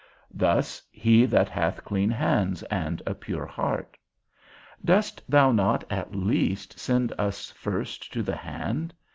thus, He that hath clean hands, and a pure heart? Dost thou not (at least) send us first to the hand?